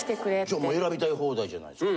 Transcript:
じゃあもう選びたい放題じゃないですか。